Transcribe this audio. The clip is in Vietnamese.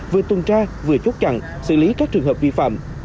vừa tuần tra vừa chốt chặn xử lý các trường hợp vi phạm